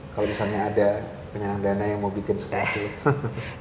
kalau misalnya ada penyelenggara dana yang mau bikin sebuah film